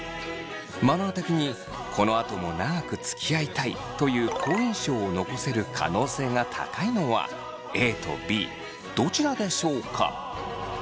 マナー的にこのあとも長くつきあいたいという好印象を残せる可能性が高いのはＡとＢどちらでしょうか？